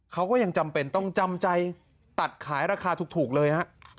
เขาก็ยังจำเป็นต้องจำใจตัดขายราคาถูกเลยฮะ